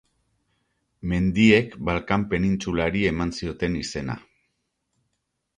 Mendiek Balkan penintsulari eman zioten izena.